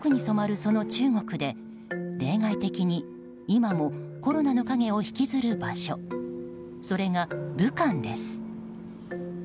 その中国で例外的に今もコロナの影を引きずる場所それが武漢です。